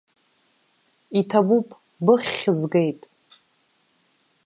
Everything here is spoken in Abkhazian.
Иҭабуп, быххь згеит.